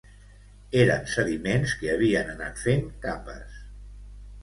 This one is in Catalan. Eren sediments que havien anat fent capes